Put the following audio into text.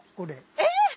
えっ？